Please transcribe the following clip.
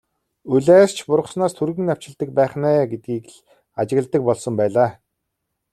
Улиас ч бургаснаас түргэн навчилдаг байх нь ээ гэдгийг л ажигладаг болсон байлаа.